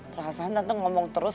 perasaan tante ngomong terus